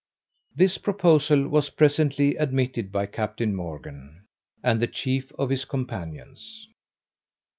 This proposal was presently admitted by Captain Morgan, and the chief of his companions.